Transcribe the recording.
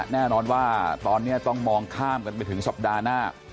แน่นอนว่าตอนนี้ต้องมองข้ามกันไปถึงสัปดาห์หน้า